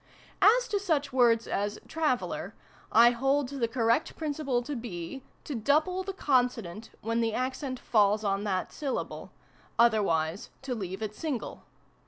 As to such words as " traveler," I hold the correct principle to be, to double the con PREFACE. xi sonant when the accent falls on that syllable ; other wise to leave it single.